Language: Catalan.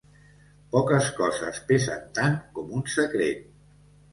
Poques coses pesen tant com un secret.